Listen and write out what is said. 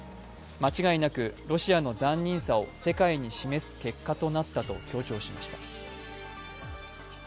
間違いなくロシアの残忍さを世界に示す結果となったと強調しました。